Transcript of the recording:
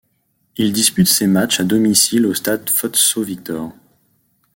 Il dispute ses matchs à domicile au stade Fotso Victor.